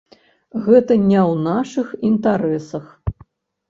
Гэта не ў нашых інтарэсах.